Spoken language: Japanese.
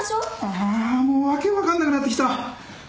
ああもう訳分かんなくなってきた。